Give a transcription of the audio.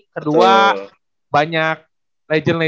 kedua banyak legend legend